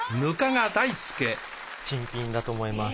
珍品だと思います。